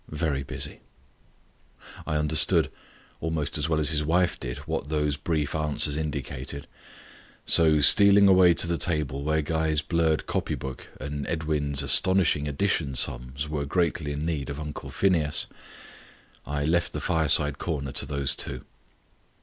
"Very busy." I understood, almost as well as his wife did, what those brief answers indicated; so, stealing away to the table where Guy's blurred copy book and Edwin's astonishing addition sums were greatly in need of Uncle Phineas, I left the fire side corner to those two.